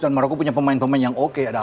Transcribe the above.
dan maroko punya pemain pemain yang oke